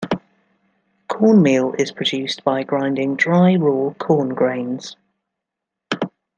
Cornmeal is produced by grinding dry raw corn grains.